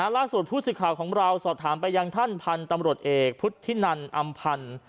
ล่าสุดผู้สิทธิ์ข่าวของเราสอบถามไปยังท่านพันธุ์ตำรวจเอกพุทธินันอำพันธ์